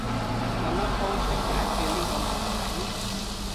有乜方式解決呢個問題？